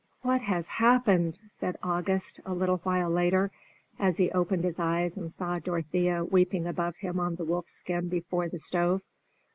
"What has happened?" said August, a little while later, as he opened his eyes and saw Dorothea weeping above him on the wolfskin before the stove.